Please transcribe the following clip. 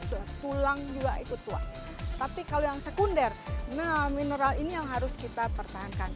sudah tulang juga ikut tua tapi kalau yang sekunder nah mineral ini yang harus kita pertahankan